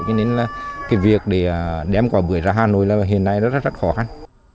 nên việc đem quả bưởi ra hà nội hiện nay rất khó khăn